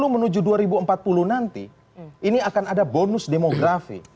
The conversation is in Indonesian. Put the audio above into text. dua ribu tiga puluh menuju dua ribu empat puluh nanti ini akan ada bonus demografi